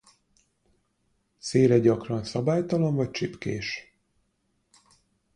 Széle gyakran szabálytalan vagy csipkés.